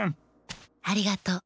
ありがとう。